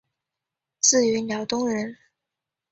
自云辽东人。